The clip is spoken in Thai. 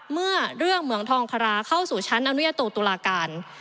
เมื่อเรื่องเหมืองทองคาราเข้าสู่ชั้นอนุญาโตตุลาการ